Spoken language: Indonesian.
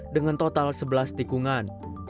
dengan total sebelas tikungan